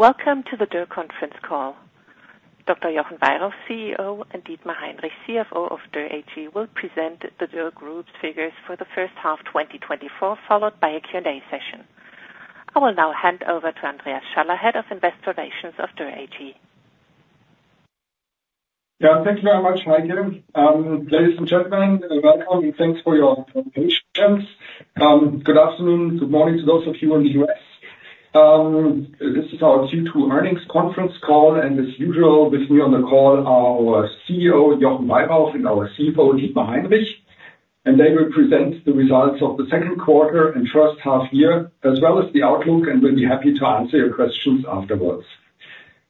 Welcome to the Dürr conference call. Dr. Jochen Weyrauch, CEO, and Dietmar Heinrich, CFO of Dürr AG, will present the Dürr Group's figures for the first half of 2024, followed by a Q&A session. I will now hand over to Andreas Schaller, Head of Investor Relations of Dürr AG. Yeah, thank you very much, Heike. Ladies and gentlemen, welcome, and thanks for your participation. Good afternoon, good morning to those of you in the US. This is our Q2 earnings conference call, and as usual, with me on the call are our CEO, Jochen Weyrauch, and our CFO, Dietmar Heinrich. They will present the results of the second quarter and first half year, as well as the outlook, and we'll be happy to answer your questions afterwards.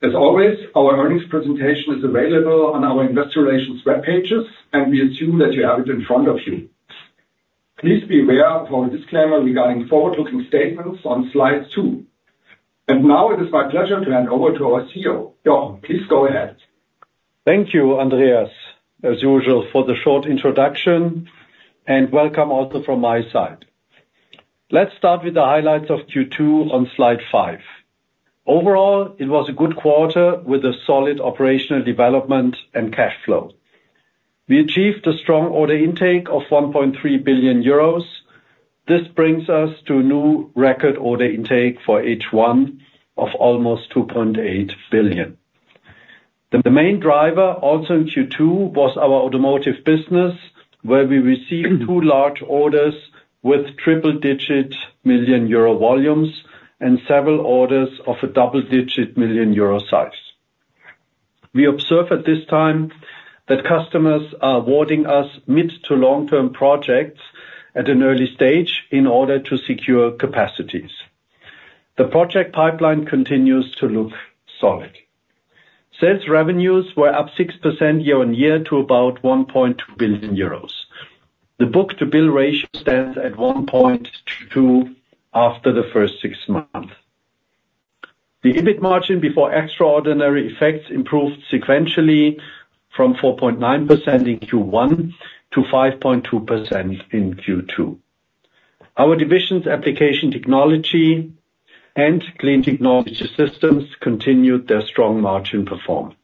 As always, our earnings presentation is available on our investor relations web pages, and we assume that you have it in front of you. Please be aware of our disclaimer regarding forward-looking statements on slide two. Now, it is my pleasure to hand over to our CEO. Jochen, please go ahead. Thank you, Andreas, as usual for the short introduction, and welcome also from my side. Let's start with the highlights of Q2 on slide 5. Overall, it was a good quarter with a solid operational development and cash flow. We achieved a strong order intake of 1.3 billion euros. This brings us to a new record order intake for H1 of almost 2.8 billion. The main driver, also in Q2, was our automotive business, where we received two large orders with triple-digit million EUR volumes and several orders of a double-digit million EUR size. We observe at this time that customers are awarding us mid to long-term projects at an early stage in order to secure capacities. The project pipeline continues to look solid. Sales revenues were up 6% year-on-year to about 1.2 billion euros. The book-to-bill ratio stands at 1.2 after the first six months. The EBIT margin before extraordinary effects improved sequentially from 4.9% in Q1 to 5.2% in Q2. Our divisions, Application Technology and Clean Technology Systems, continued their strong margin performance.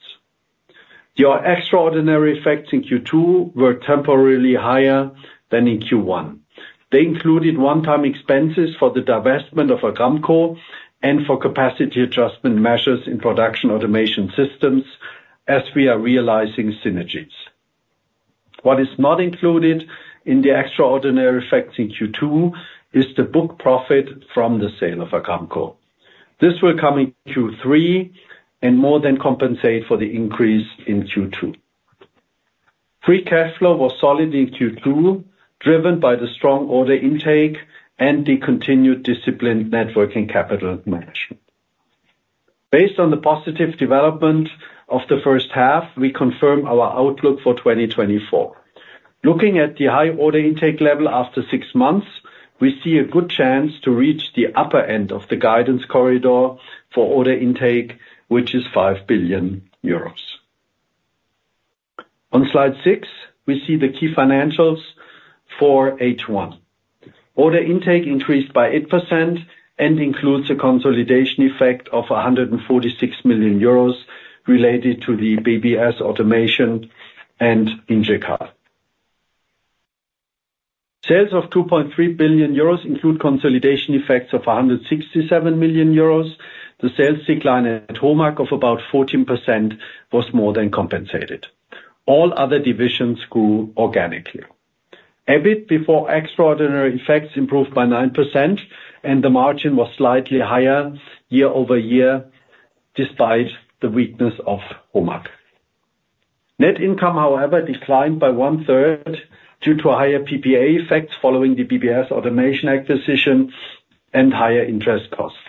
The extraordinary effects in Q2 were temporarily higher than in Q1. They included one-time expenses for the divestment of Agramkow and for capacity adjustment measures in Production Automation Systems as we are realizing synergies. What is not included in the extraordinary effects in Q2 is the book profit from the sale of Agramkow. This will come in Q3 and more than compensate for the increase in Q2. Free cash flow was solid in Q2, driven by the strong order intake and the continued disciplined net working capital management. Based on the positive development of the first half, we confirm our outlook for 2024. Looking at the high order intake level after six months, we see a good chance to reach the upper end of the guidance corridor for order intake, which is 5 billion euros. On slide 6, we see the key financials for H1. Order intake increased by 8% and includes a consolidation effect of 146 million euros related to the BBS Automation and Ingecal. Sales of 2.3 billion euros include consolidation effects of 167 million euros. The sales decline at HOMAG of about 14% was more than compensated. All other divisions grew organically. EBIT before extraordinary effects improved by 9%, and the margin was slightly higher year-over-year, despite the weakness of HOMAG. Net income, however, declined by one-third due to higher PPA effects following the BBS Automation acquisition and higher interest costs.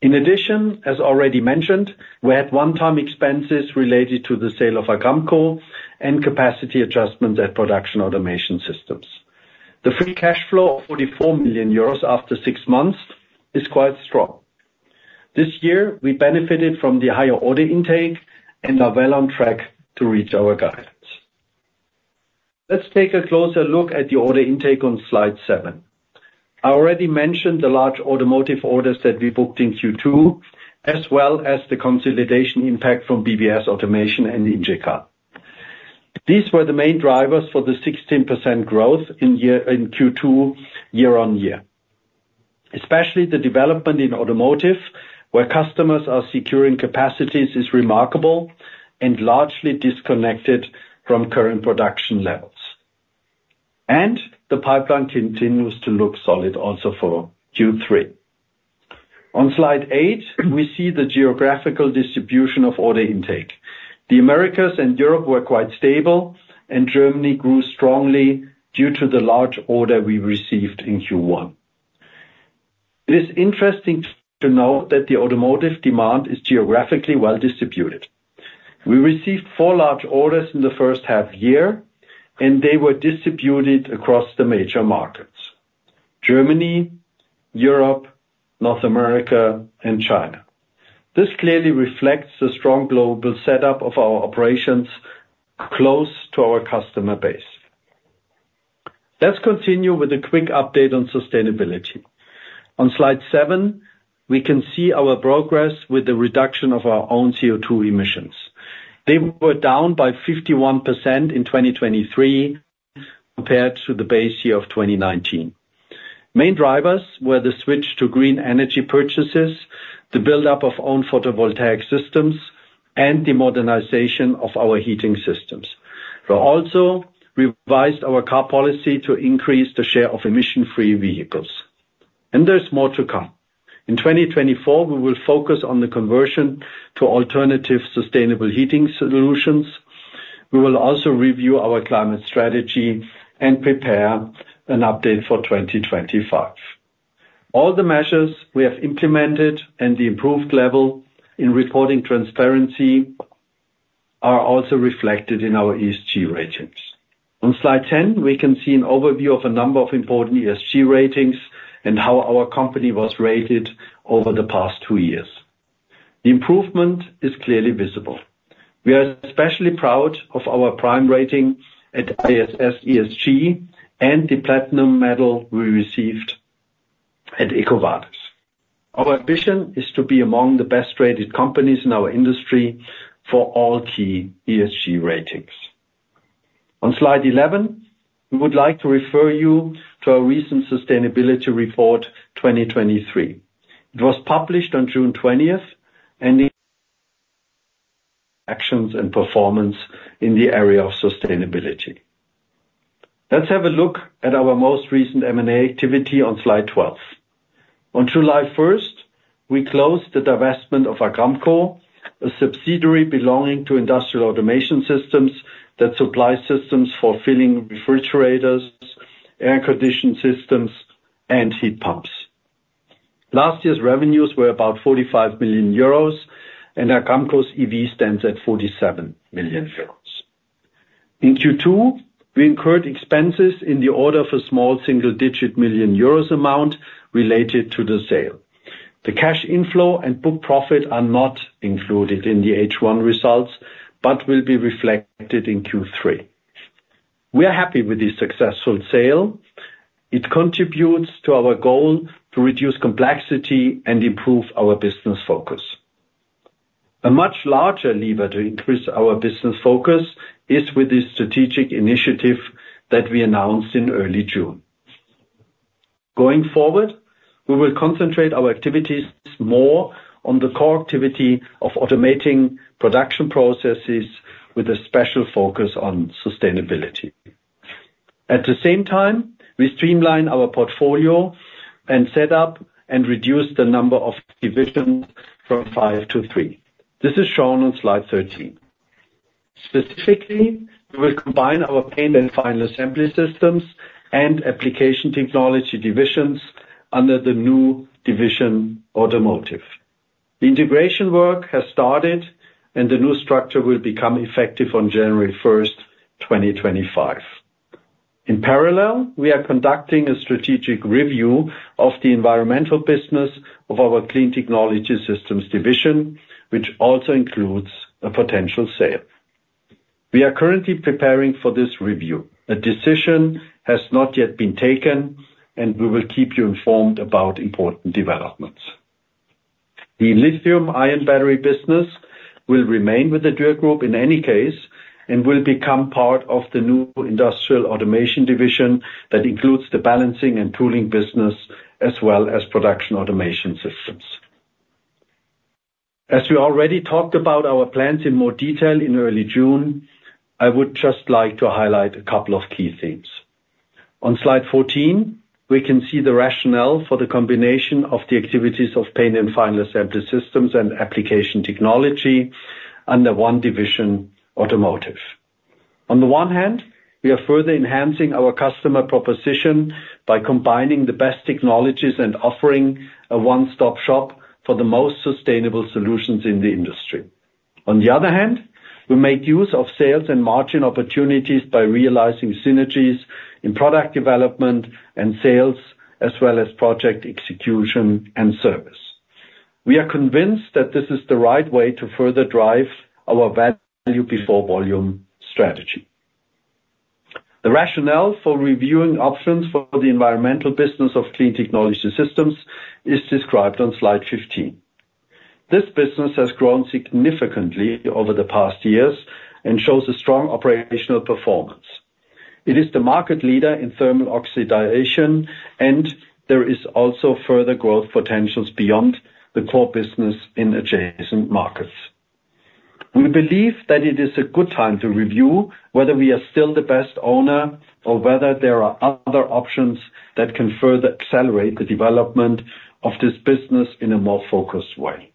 In addition, as already mentioned, we had one-time expenses related to the sale of Agramkow and capacity adjustments at Production Automation Systems. The free cash flow of 44 million euros after six months is quite strong. This year, we benefited from the higher order intake and are well on track to reach our guidance. Let's take a closer look at the order intake on slide 7. I already mentioned the large automotive orders that we booked in Q2, as well as the consolidation impact from BBS Automation and Ingecal. These were the main drivers for the 16% growth in Q2 year-on-year. Especially the development in automotive, where customers are securing capacities, is remarkable and largely disconnected from current production levels. The pipeline continues to look solid also for Q3. On slide 8, we see the geographical distribution of order intake. The Americas and Europe were quite stable, and Germany grew strongly due to the large order we received in Q1. It is interesting to note that the automotive demand is geographically well-distributed. We received 4 large orders in the first half year, and they were distributed across the major markets: Germany, Europe, North America, and China. This clearly reflects the strong global setup of our operations close to our customer base.... Let's continue with a quick update on sustainability. On Slide 7, we can see our progress with the reduction of our own CO2 emissions. They were down by 51% in 2023, compared to the base year of 2019. Main drivers were the switch to green energy purchases, the buildup of own photovoltaic systems, and the modernization of our heating systems. We also revised our car policy to increase the share of emission-free vehicles. There's more to come. In 2024, we will focus on the conversion to alternative, sustainable heating solutions. We will also review our climate strategy and prepare an update for 2025. All the measures we have implemented and the improved level in reporting transparency are also reflected in our ESG ratings. On Slide 10, we can see an overview of a number of important ESG ratings and how our company was rated over the past two years. The improvement is clearly visible. We are especially proud of our Prime rating at ISS ESG and the Platinum medal we received at EcoVadis. Our ambition is to be among the best-rated companies in our industry for all key ESG ratings. On Slide 11, we would like to refer you to our recent sustainability report, 2023. It was published on June 20, and the actions and performance in the area of sustainability. Let's have a look at our most recent M&A activity on Slide 12. On July 1, we closed the divestment of Agramkow Fluid Systems, a subsidiary belonging to Industrial Automation Systems that supply systems for filling refrigerators, air conditioning systems, and heat pumps. Last year's revenues were about 45 million euros, and Agramkow Fluid Systems's EV stands at 47 million euros. In Q2, we incurred expenses in the order of a small single-digit million EUR amount related to the sale. The cash inflow and book profit are not included in the H1 results, but will be reflected in Q3. We are happy with this successful sale. It contributes to our goal to reduce complexity and improve our business focus. A much larger lever to increase our business focus is with the strategic initiative that we announced in early June. Going forward, we will concentrate our activities more on the core activity of automating production processes with a special focus on sustainability. At the same time, we streamline our portfolio and set up and reduce the number of divisions from five to three. This is shown on Slide 13. Specifically, we will combine our Paint and Final Assembly Systems and Application Technology divisions under the new division, Automotive. The integration work has started, and the new structure will become effective on January 1, 2025. In parallel, we are conducting a strategic review of the environmental business of our Clean Technology Systems division, which also includes a potential sale. We are currently preparing for this review. A decision has not yet been taken, and we will keep you informed about important developments. The lithium-ion battery business will remain with the Dürr Group in any case, and will become part of the new Industrial Automation division that includes the balancing and tooling business, as well as Production Automation Systems. As we already talked about our plans in more detail in early June, I would just like to highlight a couple of key themes. On Slide 14, we can see the rationale for the combination of the activities of paint and final assembly systems and application technology under one division, Automotive. On the one hand, we are further enhancing our customer proposition by combining the best technologies and offering a one-stop shop for the most sustainable solutions in the industry. On the other hand, we make use of sales and margin opportunities by realizing synergies in product development and sales, as well as project execution and service. We are convinced that this is the right way to further drive our Value before Volume strategy. The rationale for reviewing options for the environmental business of Clean Technology Systems is described on Slide 15. This business has grown significantly over the past years and shows a strong operational performance. It is the market leader in thermal oxidation, and there is also further growth potentials beyond the core business in adjacent markets. We believe that it is a good time to review whether we are still the best owner, or whether there are other options that can further accelerate the development of this business in a more focused way.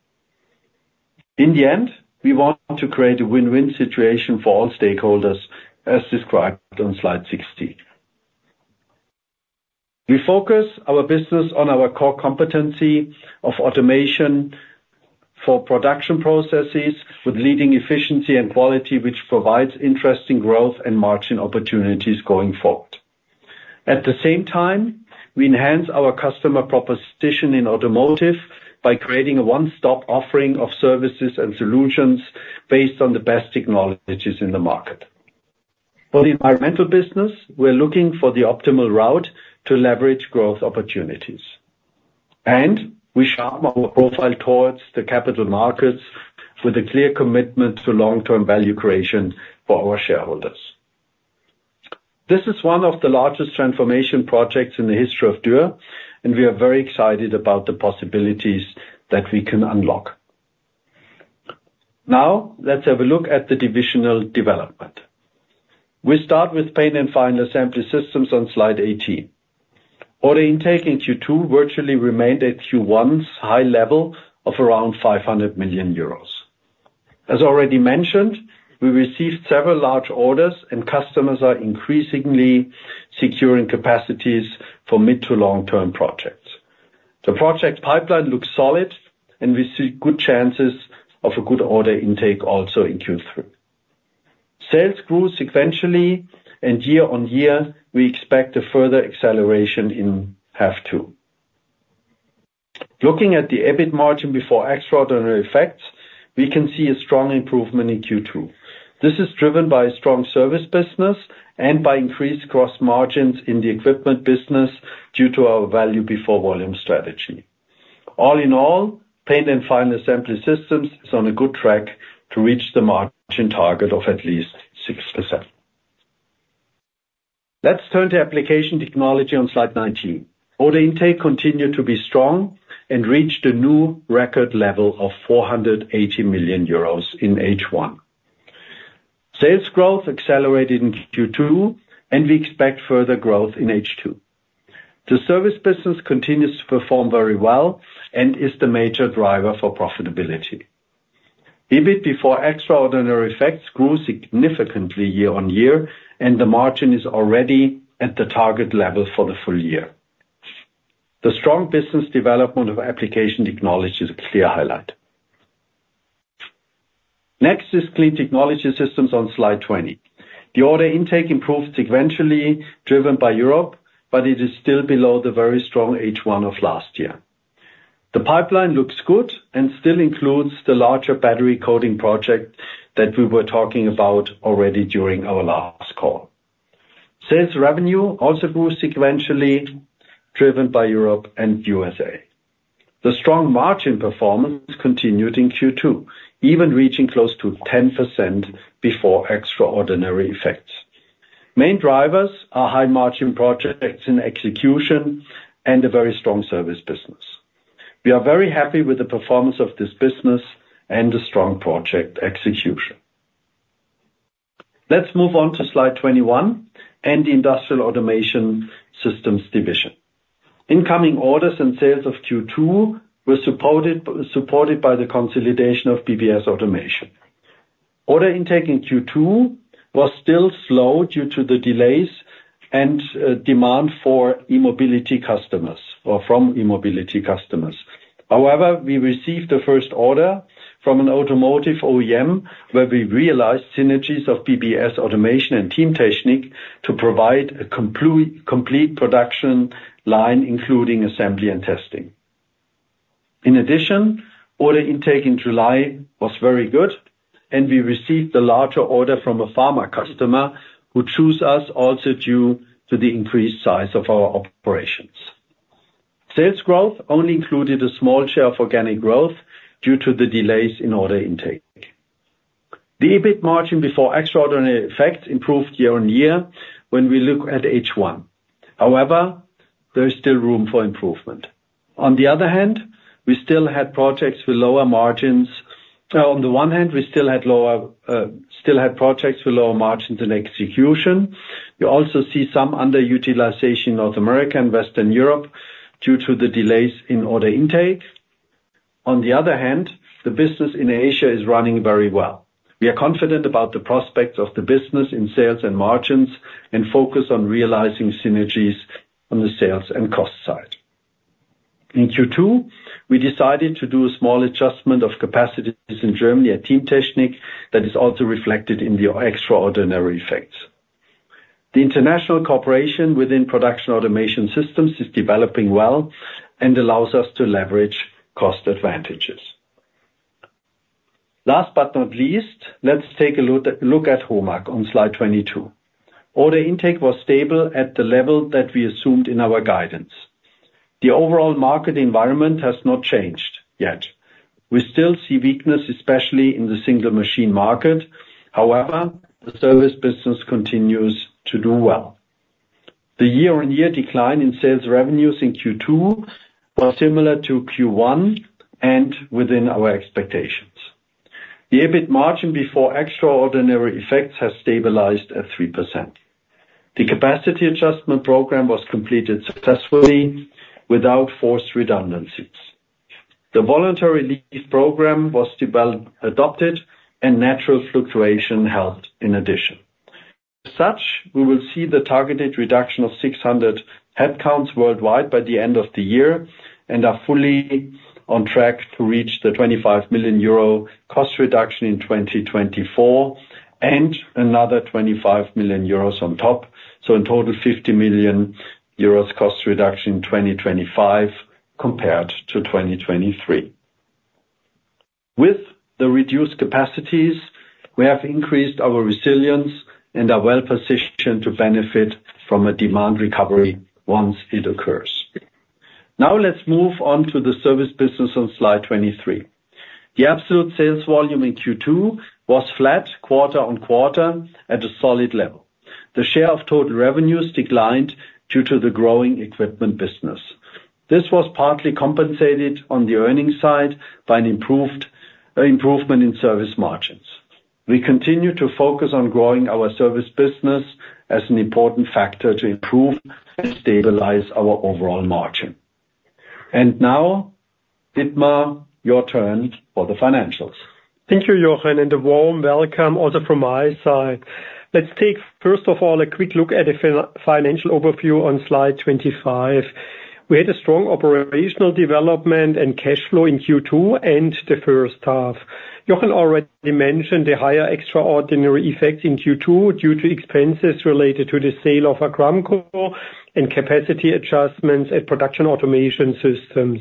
In the end, we want to create a win-win situation for all stakeholders, as described on Slide 16. We focus our business on our core competency of automation for production processes with leading efficiency and quality, which provides interesting growth and margin opportunities going forward. At the same time, we enhance our customer proposition in automotive by creating a one-stop offering of services and solutions based on the best technologies in the market. For the environmental business, we're looking for the optimal route to leverage growth opportunities, and we sharpen our profile towards the capital markets with a clear commitment to long-term value creation for our shareholders. This is one of the largest transformation projects in the history of Dürr, and we are very excited about the possibilities that we can unlock. Now, let's have a look at the divisional development. We start with Paint and Final Assembly Systems on Slide 18. Order intake in Q2 virtually remained at Q1's high level of around 500 million euros. As already mentioned, we received several large orders, and customers are increasingly securing capacities for mid to long-term projects. The project pipeline looks solid, and we see good chances of a good order intake also in Q3. Sales grew sequentially, and year-on-year, we expect a further acceleration in half two. Looking at the EBIT margin before extraordinary effects, we can see a strong improvement in Q2. This is driven by a strong service business and by increased cross margins in the equipment business due to our Value before Volume strategy. All in all, Paint and Final Assembly Systems is on a good track to reach the margin target of at least 6%. Let's turn to Application Technology on slide 19. Order intake continued to be strong and reached a new record level of 480 million euros in H1. Sales growth accelerated in Q2, and we expect further growth in H2. The service business continues to perform very well and is the major driver for profitability. EBIT before extraordinary effects grew significantly year-on-year, and the margin is already at the target level for the full year. The strong business development of Application Technology is a clear highlight. Next is Clean Technology Systems on slide 20. The order intake improved sequentially, driven by Europe, but it is still below the very strong H1 of last year. The pipeline looks good and still includes the larger battery coating project that we were talking about already during our last call. Sales revenue also grew sequentially, driven by Europe and USA. The strong margin performance continued in Q2, even reaching close to 10% before extraordinary effects. Main drivers are high-margin projects in execution and a very strong service business. We are very happy with the performance of this business and the strong project execution. Let's move on to slide 21 and the Industrial Automation Systems division. Incoming orders and sales of Q2 were supported by the consolidation of BBS Automation. Order intake in Q2 was still slow due to the delays and demand for e-mobility customers or from e-mobility customers. However, we received the first order from an automotive OEM, where we realized synergies of BBS Automation and Teamtechnik to provide a complete production line, including assembly and testing. In addition, order intake in July was very good, and we received a larger order from a pharma customer, who choose us also due to the increased size of our operations. Sales growth only included a small share of organic growth due to the delays in order intake. The EBIT margin before extraordinary effects improved year-on-year when we look at H1. However, there is still room for improvement. On the other hand, we still had projects with lower margins. On the one hand, we still had projects with lower margins and execution. We also see some underutilization in North America and Western Europe due to the delays in order intake. On the other hand, the business in Asia is running very well. We are confident about the prospects of the business in sales and margins and focus on realizing synergies on the sales and cost side. In Q2, we decided to do a small adjustment of capacities in Germany at Teamtechnik that is also reflected in the extraordinary effects. The international cooperation within Production Automation Systems is developing well and allows us to leverage cost advantages. Last but not least, let's take a look at HOMAG on Slide 22. Order intake was stable at the level that we assumed in our guidance. The overall market environment has not changed, yet. We still see weakness, especially in the single machine market. However, the service business continues to do well. The year-on-year decline in sales revenues in Q2 was similar to Q1 and within our expectations. The EBIT margin before extraordinary effects has stabilized at 3%. The capacity adjustment program was completed successfully without forced redundancies. The voluntary leave program was developed, adopted, and natural fluctuation helped in addition. As such, we will see the targeted reduction of 600 headcounts worldwide by the end of the year and are fully on track to reach the 25 million euro cost reduction in 2024... and another 25 million euros on top. So in total, 50 million euros cost reduction in 2025, compared to 2023. With the reduced capacities, we have increased our resilience and are well positioned to benefit from a demand recovery once it occurs. Now, let's move on to the service business on slide 23. The absolute sales volume in Q2 was flat, quarter-on-quarter, at a solid level. The share of total revenues declined due to the growing equipment business. This was partly compensated on the earnings side by an improvement in service margins. We continue to focus on growing our service business as an important factor to improve and stabilize our overall margin. Now, Dietmar, your turn for the financials. Thank you, Jochen, and a warm welcome also from my side. Let's take, first of all, a quick look at the financial overview on slide 25. We had a strong operational development and cash flow in Q2 and the first half. Jochen already mentioned the higher extraordinary effects in Q2 due to expenses related to the sale of Agramkow and capacity adjustments at Production Automation Systems.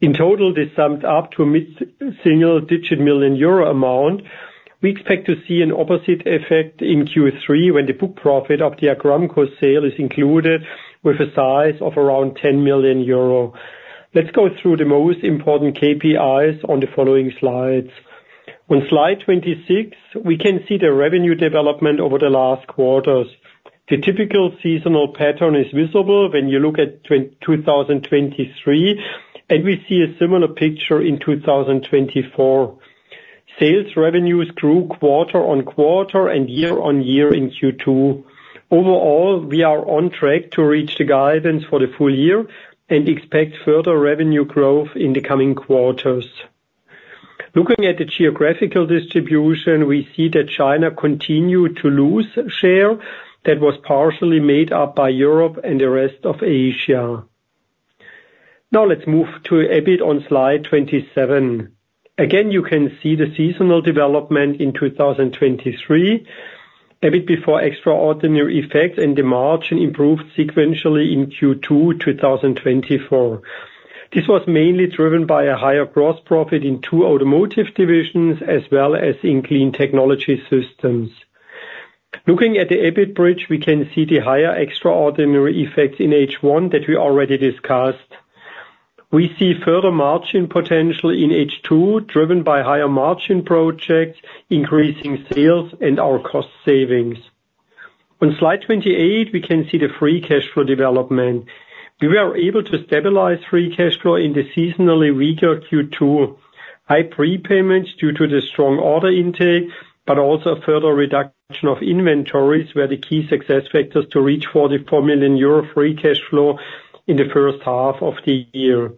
In total, this summed up to a mid-single-digit million EUR amount. We expect to see an opposite effect in Q3, when the book profit of the Agramkow sale is included, with a size of around 10 million euro. Let's go through the most important KPIs on the following slides. On slide 26, we can see the revenue development over the last quarters. The typical seasonal pattern is visible when you look at 2023, and we see a similar picture in 2024. Sales revenues grew quarter-on-quarter and year-on-year in Q2. Overall, we are on track to reach the guidance for the full year and expect further revenue growth in the coming quarters. Looking at the geographical distribution, we see that China continued to lose share that was partially made up by Europe and the rest of Asia. Now, let's move to EBIT on slide 27. Again, you can see the seasonal development in 2023, EBIT before extraordinary effects, and the margin improved sequentially in Q2 2024. This was mainly driven by a higher gross profit in 2 Automotive divisions, as well as in Clean Technology Systems. Looking at the EBIT bridge, we can see the higher extraordinary effects in H1 that we already discussed. We see further margin potential in H2, driven by higher margin projects, increasing sales, and our cost savings. On Slide 28, we can see the free cash flow development. We were able to stabilize free cash flow in the seasonally weaker Q2. High prepayments due to the strong order intake, but also a further reduction of inventories, were the key success factors to reach 44 million euro free cash flow in the first half of the year.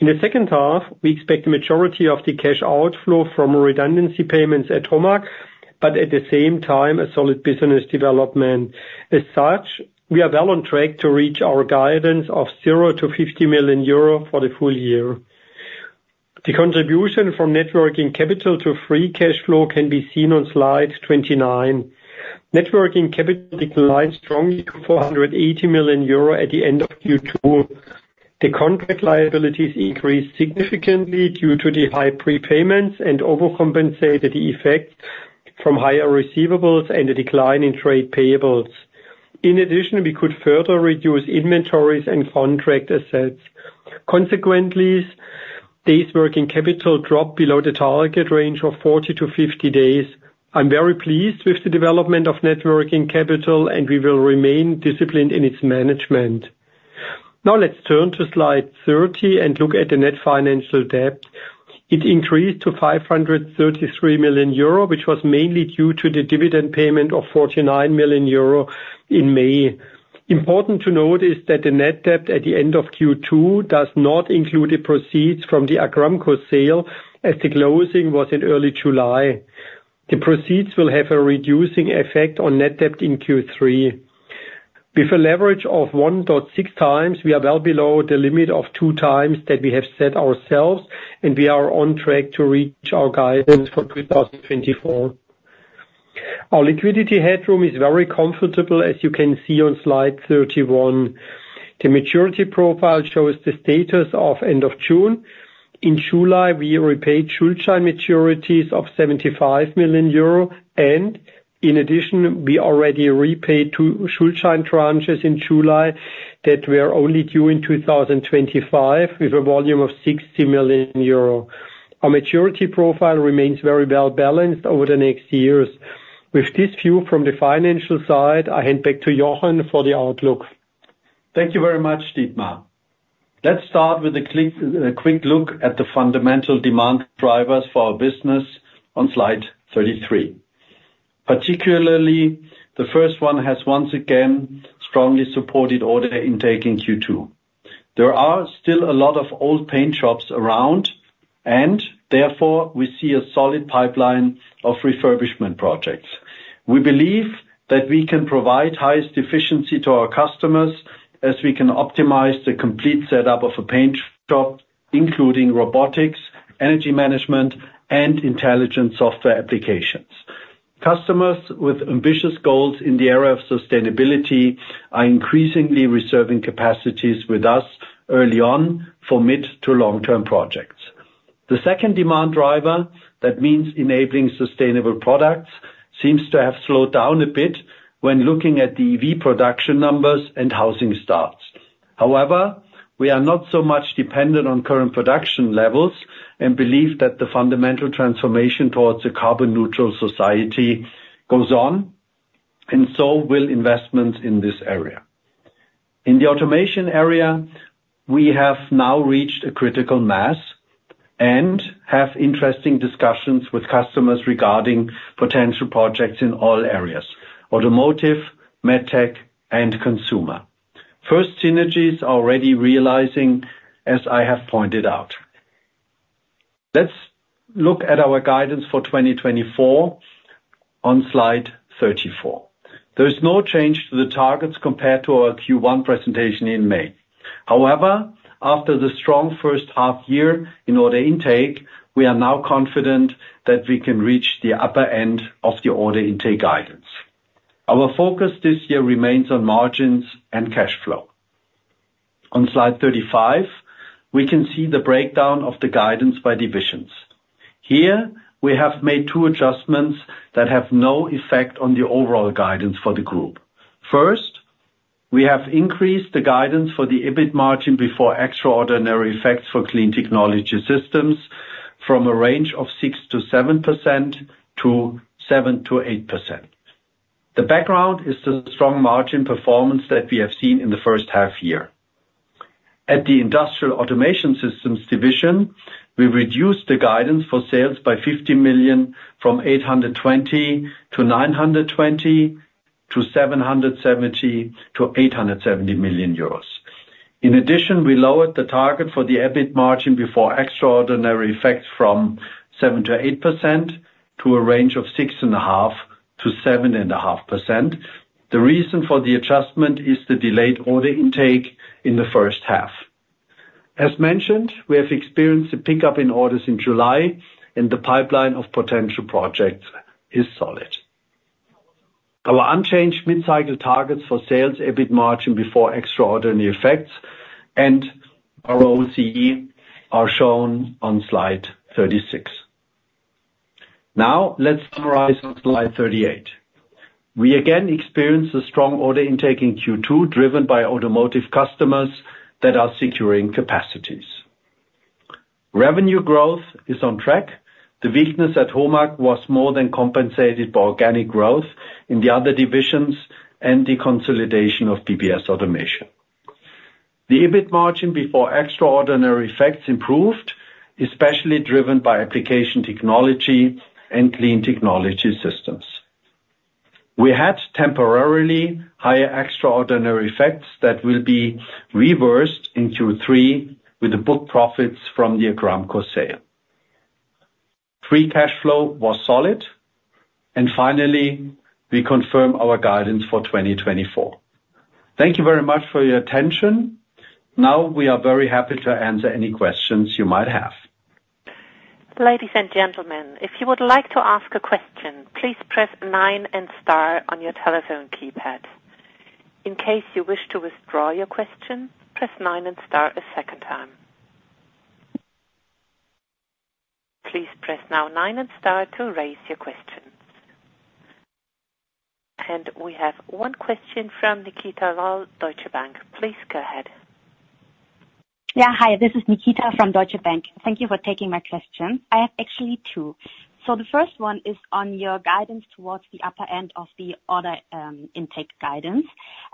In the second half, we expect the majority of the cash outflow from redundancy payments at HOMAG, but at the same time, a solid business development. As such, we are well on track to reach our guidance of 0-50 million euro for the full year. The contribution from net working capital to free cash flow can be seen on slide 29. Net working capital declined strongly to 480 million euro at the end of Q2. The contract liabilities increased significantly due to the high prepayments and overcompensated the effect from higher receivables and a decline in trade payables. In addition, we could further reduce inventories and contract assets. Consequently, days working capital dropped below the target range of 40 to 50 days. I'm very pleased with the development of net working capital, and we will remain disciplined in its management. Now, let's turn to slide 30 and look at the net financial debt. It increased to 533 million euro, which was mainly due to the dividend payment of 49 million euro in May. Important to note is that the net debt at the end of Q2 does not include the proceeds from the Agramkow sale, as the closing was in early July. The proceeds will have a reducing effect on net debt in Q3. With a leverage of 1.6 times, we are well below the limit of 2 times that we have set ourselves, and we are on track to reach our guidance for 2024. Our liquidity headroom is very comfortable, as you can see on slide 31. The maturity profile shows the status of end of June. In July, we repaid Schuldschein maturities of 75 million euro, and in addition, we already repaid two Schuldschein tranches in July that were only due in 2025, with a volume of 60 million euro. Our maturity profile remains very well balanced over the next years. With this view from the financial side, I hand back to Jochen for the outlook. Thank you very much, Dietmar. Let's start with a click, a quick look at the fundamental demand drivers for our business on slide 33. Particularly, the first one has once again strongly supported order intake in Q2. There are still a lot of old paint shops around, and therefore, we see a solid pipeline of refurbishment projects. We believe that we can provide highest efficiency to our customers as we can optimize the complete setup of a paint shop, including robotics, energy management, and intelligent software applications. Customers with ambitious goals in the area of sustainability are increasingly reserving capacities with us early on for mid- to long-term projects. The second demand driver, that means enabling sustainable products, seems to have slowed down a bit when looking at the EV production numbers and housing starts. However, we are not so much dependent on current production levels and believe that the fundamental transformation towards a carbon neutral society goes on, and so will investments in this area. In the automation area, we have now reached a critical mass and have interesting discussions with customers regarding potential projects in all areas: automotive, medtech, and consumer. First synergies are already realizing, as I have pointed out. Let's look at our guidance for 2024 on slide 34. There is no change to the targets compared to our Q1 presentation in May. However, after the strong first half year in order intake, we are now confident that we can reach the upper end of the order intake guidance. Our focus this year remains on margins and cash flow. On slide 35, we can see the breakdown of the guidance by divisions. Here, we have made two adjustments that have no effect on the overall guidance for the group. First, we have increased the guidance for the EBIT margin before extraordinary effects for Clean Technology Systems from a range of 6%-7% to 7%-8%. The background is the strong margin performance that we have seen in the first half year. At the Industrial Automation Systems division, we reduced the guidance for sales by 50 million, from 820 million-920 million to 770 million-870 million euros. In addition, we lowered the target for the EBIT margin before extraordinary effects from 7%-8% to a range of 6.5%-7.5%. The reason for the adjustment is the delayed order intake in the first half. As mentioned, we have experienced a pickup in orders in July, and the pipeline of potential projects is solid. Our unchanged mid-cycle targets for sales, EBIT margin before extraordinary effects, and our ROCE are shown on Slide 36. Now, let's summarize on Slide 38. We again experienced a strong order intake in Q2, driven by automotive customers that are securing capacities. Revenue growth is on track. The weakness at HOMAG was more than compensated by organic growth in the other divisions and the consolidation of BBS Automation. The EBIT margin before extraordinary effects improved, especially driven by Application Technology and Clean Technology Systems. We had temporarily higher extraordinary effects that will be reversed in Q3 with the book profits from the Agramkow sale. Free cash flow was solid, and finally, we confirm our guidance for 2024. Thank you very much for your attention. Now, we are very happy to answer any questions you might have. Ladies and gentlemen, if you would like to ask a question, please press nine and star on your telephone keypad. In case you wish to withdraw your question, press nine and star a second time. Please press now nine and star to raise your questions. We have one question from Nikita Lal, Deutsche Bank. Please go ahead. Yeah, hi, this is Nikita from Deutsche Bank. Thank you for taking my question. I have actually two. So the first one is on your guidance towards the upper end of the order intake guidance.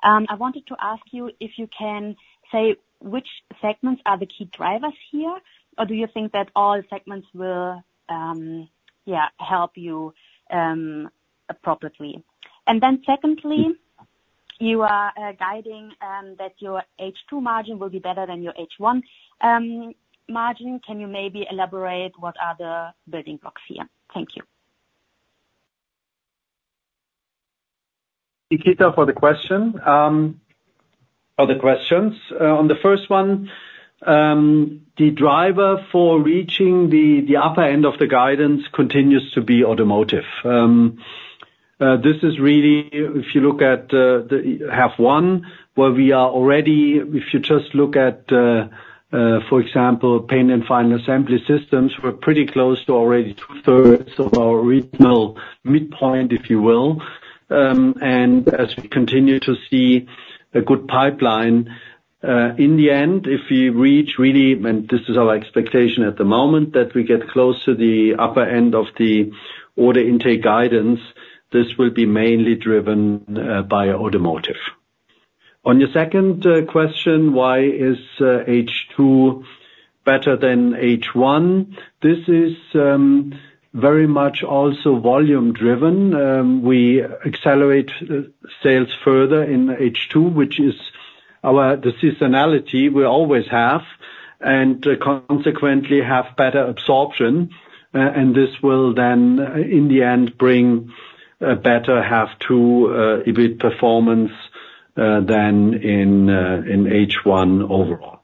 I wanted to ask you if you can say which segments are the key drivers here, or do you think that all segments will, yeah, help you appropriately? And then secondly, you are guiding that your H2 margin will be better than your H1 margin. Can you maybe elaborate what are the building blocks here? Thank you. Nikita, for the question or the questions. On the first one, the driver for reaching the upper end of the guidance continues to be Automotive. This is really if you look at the first half, where we are already. If you just look at, for example, Paint and Final Assembly Systems, we're pretty close to already two-thirds of our original midpoint, if you will. And as we continue to see a good pipeline, in the end, if we reach, really, and this is our expectation at the moment, that we get close to the upper end of the order intake guidance, this will be mainly driven by Automotive. On your second question: Why is H2 better than H1? This is very much also volume driven. We accelerate sales further in H2, which is the seasonality we always have... and consequently have better absorption. And this will then, in the end, bring a better half two EBIT performance than in H1 overall.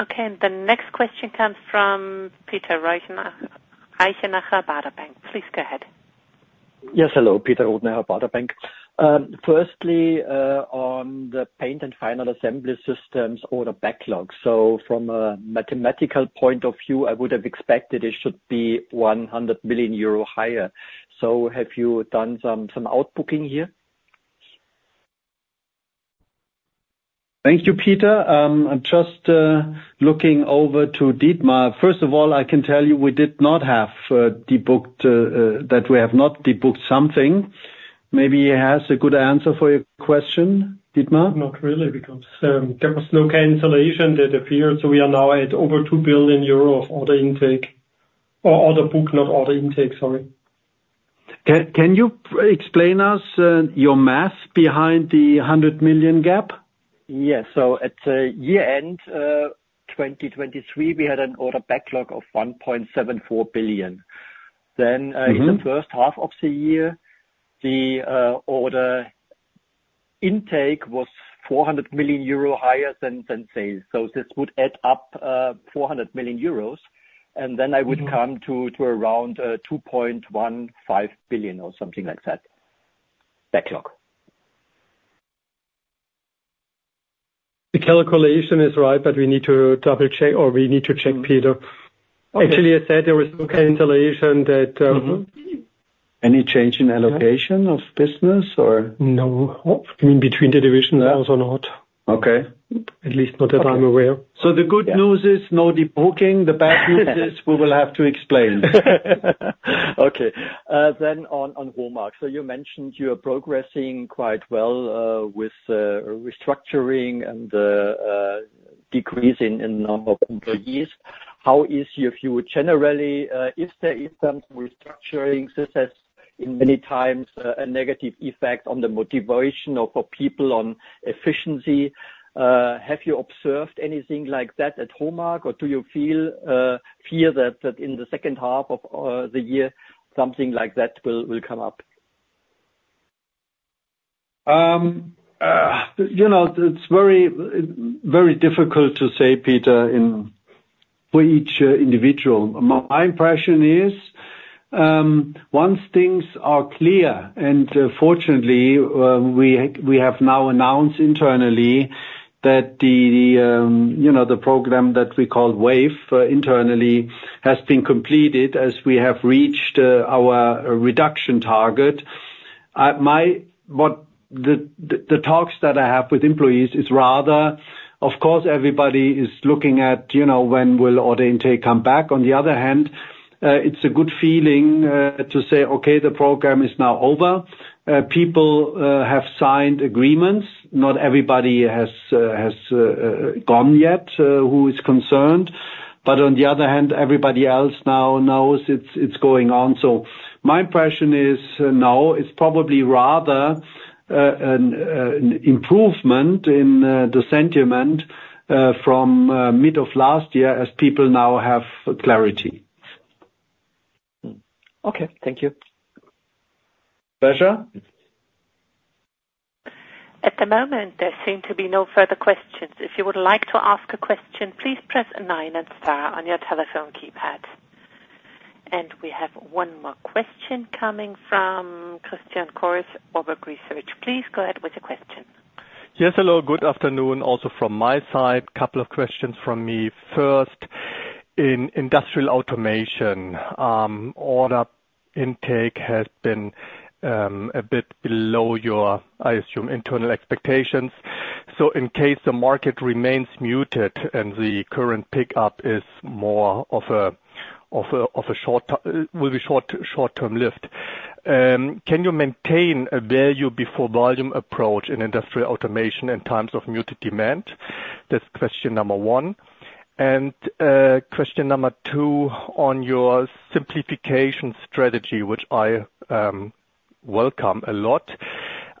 Okay. And the next question comes from Peter Rothenaicher, Baader Bank. Please go ahead. Yes, hello, Peter Rothenaicher, Baader Bank. Firstly, on the Paint and Final Assembly Systems order backlog. So from a mathematical point of view, I would have expected it should be 100 million euro higher. So have you done some, some outbooking here? Thank you, Peter. I'm just looking over to Dietmar. First of all, I can tell you we did not have debooked that we have not debooked something. Maybe he has a good answer for your question, Dietmar? Not really, because there was no cancellation that appeared, so we are now at over 2 billion euro of order intake, or order book, not order intake, sorry. Can you explain us your math behind the 100 million gap? Yes. So at year-end, 2023, we had an order backlog of 1.74 billion. Mm-hmm. Then, in the first half of the year, the order intake was 400 million euro higher than sales. So this would add up 400 million euros, and then- Mm-hmm... I would come to around 2.15 billion or something like that, backlog. The calculation is right, but we need to double-check, or we need to check, Peter. Okay. Actually, I said there was no cancellation that, Mm-hmm. Any change in allocation of business, or? No. I mean, between the divisions, there was not. Okay. At least not that I'm aware. The good news is no debooking. The bad news is we will have to explain. Okay, then on HOMAG. So you mentioned you are progressing quite well with the restructuring and decreasing in number of employees. How is your view generally if there is some restructuring success in many times a negative effect on the motivation or for people on efficiency? Have you observed anything like that at HOMAG, or do you feel fear that in the second half of the year something like that will come up? You know, it's very, very difficult to say, Peter, in for each individual. My impression is, once things are clear, and fortunately, we have now announced internally that, you know, the program that we call Wave internally has been completed as we have reached our reduction target. My, what the talks that I have with employees is rather... Of course, everybody is looking at, you know, when will order intake come back. On the other hand, it's a good feeling to say, "Okay, the program is now over." People have signed agreements. Not everybody has gone yet who is concerned, but on the other hand, everybody else now knows it's going on. My impression is now it's probably rather an improvement in the sentiment from mid of last year as people now have clarity. Okay, thank you. Pleasure. At the moment, there seem to be no further questions. If you would like to ask a question, please press nine and star on your telephone keypad. And we have one more question coming from Christian Cohrs, Warburg Research. Please go ahead with your question. Yes, hello, good afternoon, also from my side. Couple of questions from me. First, in industrial automation, order intake has been a bit below your, I assume, internal expectations. So in case the market remains muted and the current pickup is more of a short-term lift, can you maintain a Value before Volume approach in industrial automation in times of muted demand? That's question number one. And question number two, on your simplification strategy, which I welcome a lot,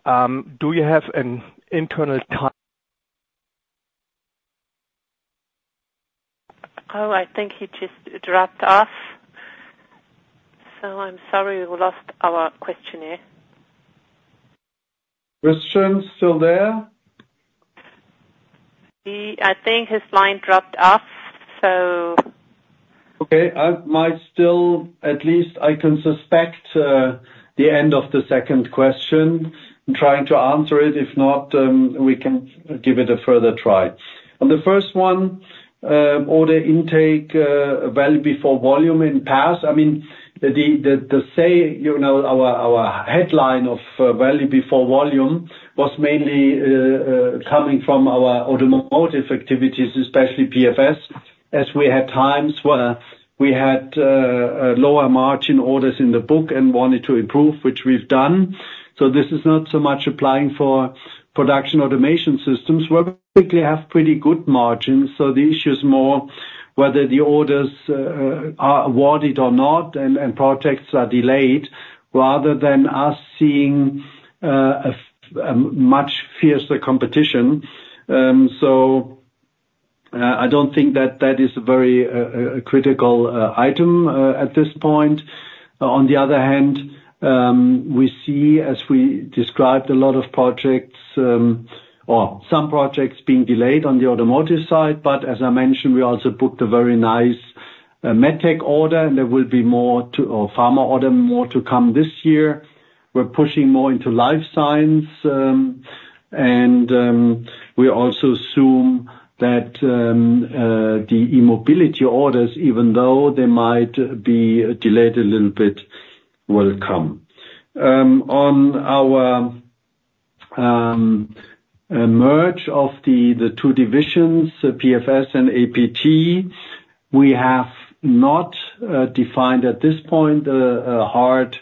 do you have an internal ti- Oh, I think he just dropped off. I'm sorry, we lost our questioner. Christian, still there? I think his line dropped off, so... Okay. I might still, at least I can suspect, the end of the second question, trying to answer it. If not, we can give it a further try. On the first one, order intake, Value before Volume in past, I mean, the saying, you know, our headline of Value before Volume was mainly coming from our automotive activities, especially PFS, as we had times where we had a lower margin orders in the book and wanted to improve, which we've done. So this is not so much applying for Production Automation Systems, where we typically have pretty good margins, so the issue is more whether the orders are awarded or not, and projects are delayed, rather than us seeing a much fiercer competition. So, I don't think that that is a very critical item at this point. On the other hand, we see, as we described, a lot of projects, or some projects being delayed on the automotive side, but as I mentioned, we also booked a very nice medtech order, and there will be more to-- or pharma order, more to come this year. We're pushing more into life science, and we also assume that the e-mobility orders, even though they might be delayed a little bit, will come. On our merge of the two divisions, the PFS and APT, we have not defined at this point a hard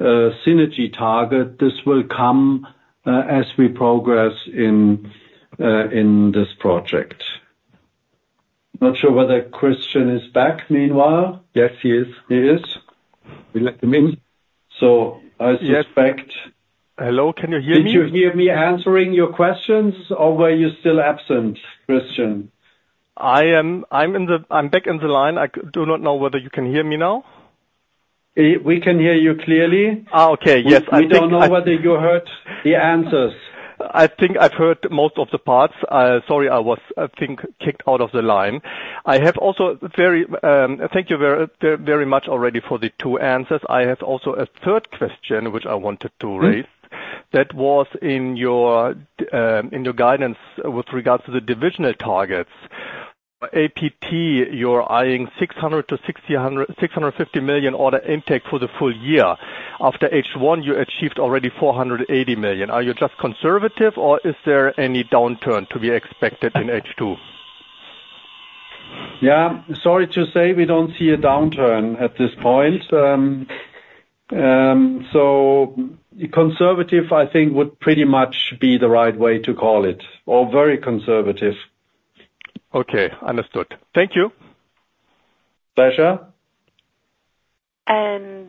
synergy target. This will come as we progress in this project. Not sure whether Christian is back meanwhile. Yes, he is, he is. We'll let him in. So I suspect- Hello, can you hear me? Did you hear me answering your questions, or were you still absent, Christian? I'm back in the line. I do not know whether you can hear me now. We can hear you clearly. Ah, okay. Yes, I think I- We don't know whether you heard the answers. I think I've heard most of the parts. Sorry, I was, I think, kicked out of the line. I have also very... Thank you very much already for the two answers. I have also a third question, which I wanted to raise. Mm-hmm. That was in your, in your guidance with regards to the divisional targets. APT, you're eyeing 600 million-650 million order intake for the full year. After H1, you achieved already 480 million. Are you just conservative, or is there any downturn to be expected in H2? Yeah, sorry to say, we don't see a downturn at this point. So conservative, I think, would pretty much be the right way to call it, or very conservative. Okay, understood. Thank you. Pleasure.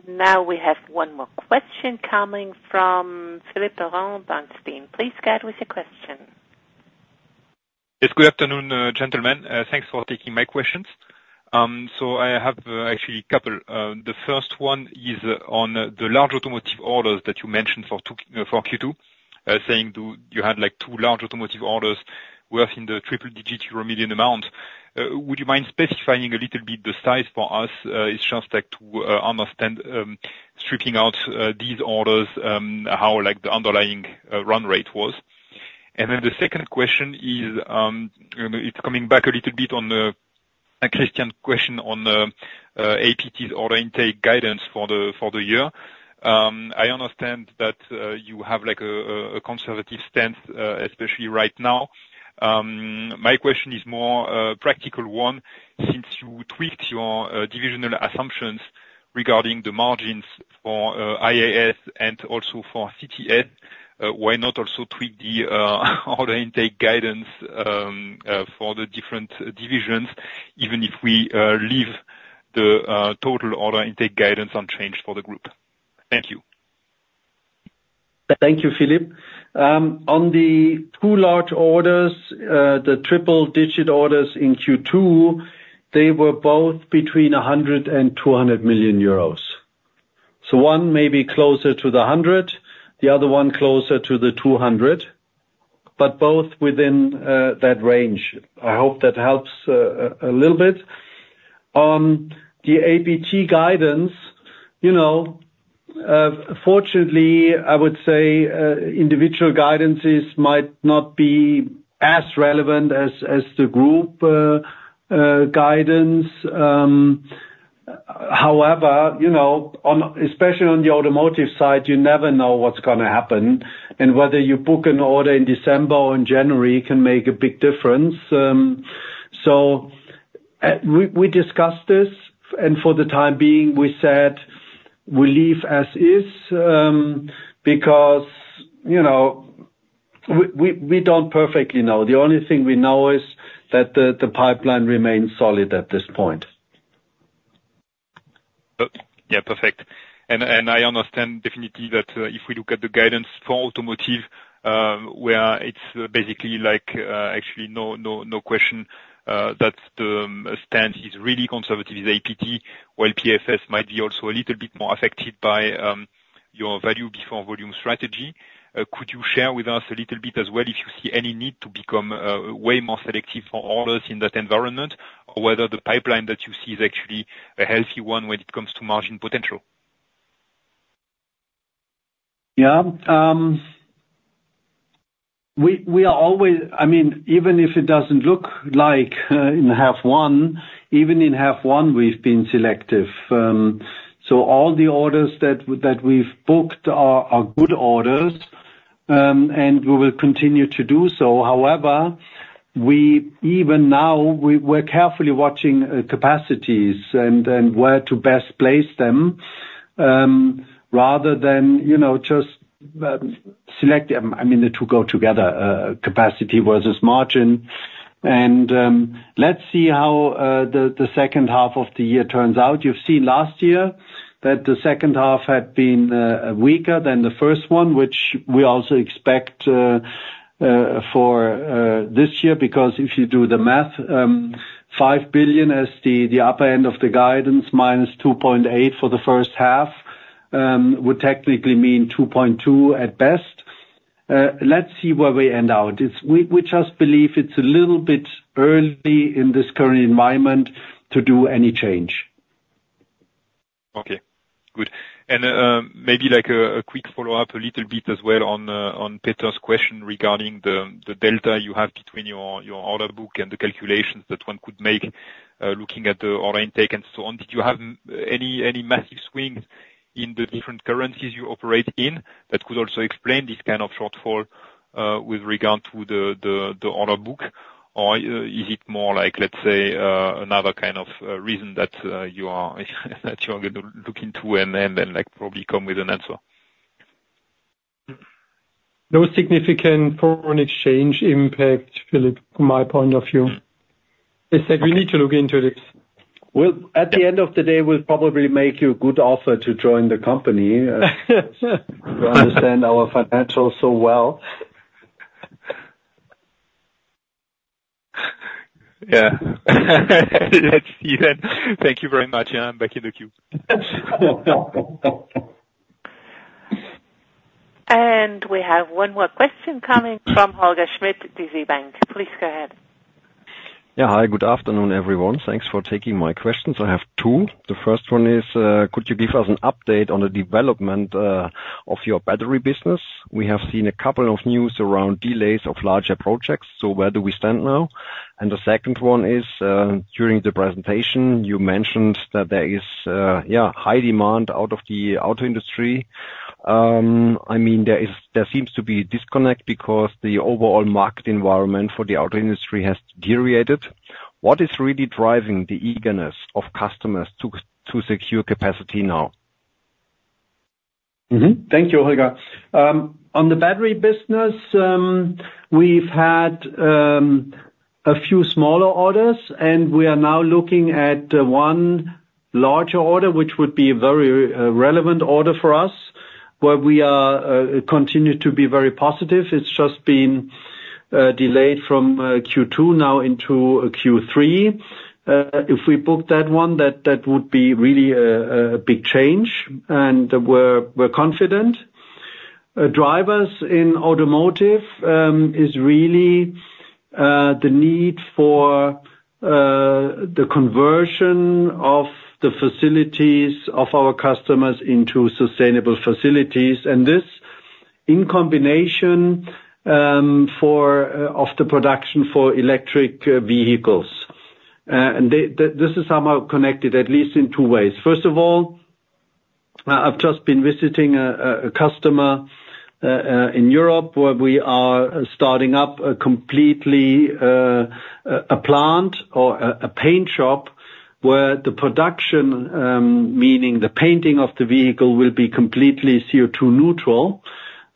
Now we have one more question coming from Philippe Lorrain, Bernstein. Please go ahead with your question. Yes, good afternoon, gentlemen. Thanks for taking my questions. So I have actually a couple. The first one is on the large automotive orders that you mentioned for Q2. Saying you had like two large automotive orders worth in the triple-digit euro million amount. Would you mind specifying a little bit the size for us? It's just like to understand stripping out these orders how like the underlying run rate was? And then the second question is, you know, it's coming back a little bit on the a Christian question on the APT's order intake guidance for the year. I understand that you have like a conservative stance especially right now. My question is more practical one. Since you tweaked your divisional assumptions regarding the margins for IAS and also for CTS, why not also tweak the order intake guidance for the different divisions, even if we leave the total order intake guidance unchanged for the group? Thank you. Thank you, Philippe. On the two large orders, the triple digit orders in Q2, they were both between 100 and 200 million euros. So one may be closer to the 100, the other one closer to the 200, but both within that range. I hope that helps a little bit. On the APT guidance, you know, fortunately, I would say, individual guidances might not be as relevant as the group guidance. However, you know, on, especially on the automotive side, you never know what's gonna happen, and whether you book an order in December or in January can make a big difference. So, we discussed this, and for the time being, we said we leave as is, because, you know, we don't perfectly know. The only thing we know is that the pipeline remains solid at this point. Yeah, perfect. I understand definitely that if we look at the guidance for automotive, where it's basically like, actually, no, no, no question, that the stance is really conservative with APT, while PFS might be also a little bit more affected by your Value before Volume strategy. Could you share with us a little bit as well, if you see any need to become way more selective for orders in that environment? Or whether the pipeline that you see is actually a healthy one when it comes to margin potential. Yeah. We are always—I mean, even if it doesn't look like in half one, even in half one, we've been selective. So all the orders that we've booked are good orders, and we will continue to do so. However, we even now, we're carefully watching capacities and where to best place them, rather than, you know, just select. I mean, the two go together, capacity versus margin. And, let's see how the second half of the year turns out. You've seen last year that the second half had been weaker than the first one, which we also expect for this year. Because if you do the math, 5 billion as the upper end of the guidance, minus 2.8 billion for the first half, would technically mean 2.2 billion at best. Let's see where we end up. We just believe it's a little bit early in this current environment to do any change. Okay, good. And maybe like a quick follow-up, a little bit as well on Peter's question regarding the delta you have between your order book and the calculations that one could make looking at the order intake and so on. Did you have any massive swings in the different currencies you operate in that could also explain this kind of shortfall with regard to the order book? Or is it more like, let's say, another kind of reason that you are gonna look into and then like probably come with an answer? No significant foreign exchange impact, Philippe, from my point of view. I said we need to look into this. Well, at the end of the day, we'll probably make you a good offer to join the company. You understand our financials so well. Yeah. Thank you very much, and I'm back in the queue. We have one more question coming from Holger Schmidt, DZ Bank. Please go ahead. Yeah, hi. Good afternoon, everyone. Thanks for taking my questions. I have two. The first one is, could you give us an update on the development of your battery business? We have seen a couple of news around delays of larger projects, so where do we stand now? And the second one is, during the presentation, you mentioned that there is, yeah, high demand out of the auto industry. I mean, there seems to be a disconnect, because the overall market environment for the auto industry has deteriorated. What is really driving the eagerness of customers to secure capacity now? Mm-hmm. Thank you, Holger. On the battery business, we've had a few smaller orders, and we are now looking at one larger order, which would be very relevant order for us, where we are continue to be very positive. It's just been delayed from Q2 now into Q3. If we book that one, that, that would be really a big change, and we're, we're confident. Drivers in automotive is really the need for the conversion of the facilities of our customers into sustainable facilities, and this in combination for of the production for electric vehicles. And this is somehow connected, at least in two ways. First of all, I've just been visiting a customer in Europe, where we are starting up a completely a plant or a paint shop, where the production, meaning the painting of the vehicle, will be completely CO2 neutral.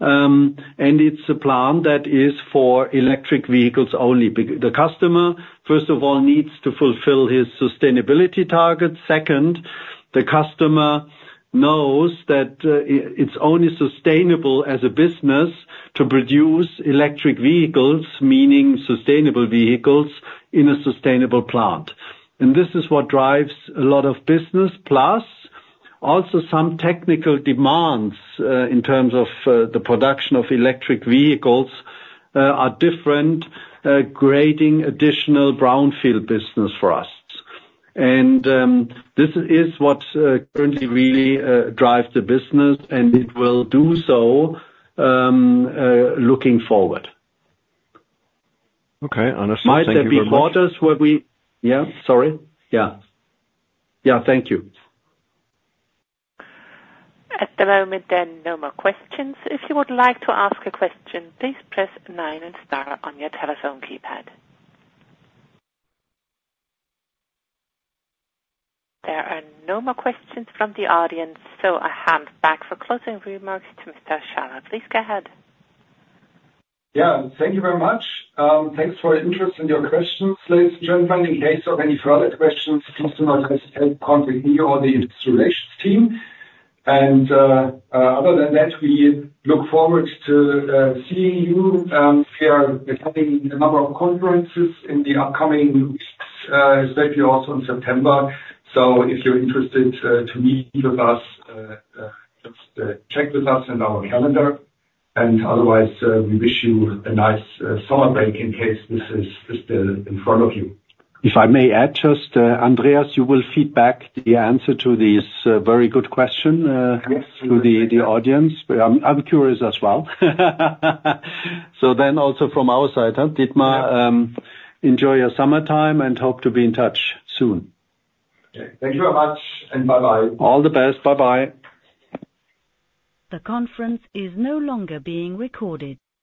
And it's a plant that is for electric vehicles only. The customer, first of all, needs to fulfill his sustainability targets. Second, the customer knows that it's only sustainable as a business to produce electric vehicles, meaning sustainable vehicles, in a sustainable plant. And this is what drives a lot of business. Plus, also some technical demands in terms of the production of electric vehicles are different, creating additional brownfield business for us. And this is what currently really drives the business, and it will do so looking forward. Okay, understand. Might there be orders where we- Yeah, sorry. Yeah. Yeah, thank you. At the moment, then, no more questions. If you would like to ask a question, please press nine and star on your telephone keypad. There are no more questions from the audience, so I hand back for closing remarks to Mr. Schaller. Please go ahead. Yeah, thank you very much. Thanks for your interest and your questions, ladies and gentlemen. In case of any further questions, please do not hesitate to contact me or the investor relations team. And, other than that, we look forward to seeing you. We are attending a number of conferences in the upcoming weeks, certainly also in September. So if you're interested to meet with us, just check with us in our calendar, and otherwise, we wish you a nice summer break in case this is still in front of you. If I may add just, Andreas, you will feed back the answer to this very good question. Yes. - to the audience. I'm curious as well. So then, also from our side, huh, Dietmar- Yeah. Enjoy your summertime, and hope to be in touch soon. Okay. Thank you very much, and bye-bye. All the best. Bye-bye. The conference is no longer being recorded.